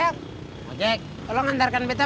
nih kayak lebet